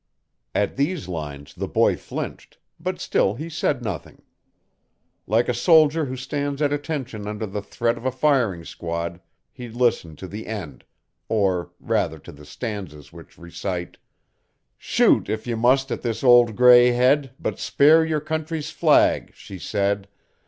At these lines the boy flinched, but still he said nothing. Like a soldier who stands at attention under the threat of a firing squad he listened to the end or rather to the stanzas which recite: "'Shoot, if you must at this old gray head, but spare your country's flag,' she said.